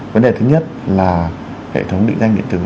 vấn đề thứ nhất là hệ thống định danh điện tử